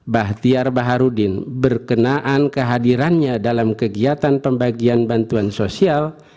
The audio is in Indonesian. bahtiar baharudin berkenaan kehadirannya dalam kegiatan pembagian bantuan sosial